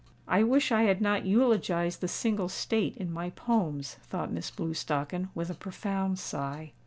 "I wish I had not eulogised the single state in my poems," thought Miss Blewstocken, with a profound sigh.